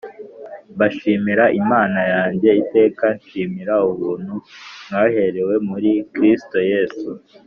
Mbashimira Imana yanjye iteka, nshimira ubuntu mwaherewe muri Kristo Yesu: